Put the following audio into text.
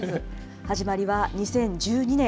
始まりは２０１２年。